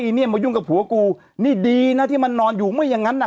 เนี่ยมายุ่งกับผัวกูนี่ดีนะที่มันนอนอยู่ไม่อย่างนั้นน่ะ